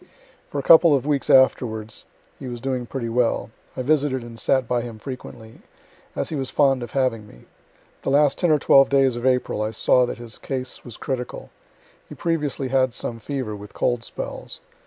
For a couple of weeks afterwards he was doing pretty well. I visited and sat by him frequently, as he was fond of having me. The last ten or twelve days of April I saw that his case was critical. He previously had some fever, with cold spells.